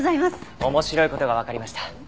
面白い事がわかりました。